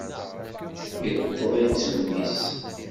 Iṭṭeḍ-itt mmi-s.